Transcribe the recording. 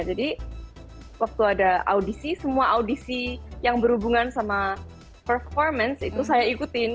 jadi waktu ada audisi semua audisi yang berhubungan sama performance itu saya ikutin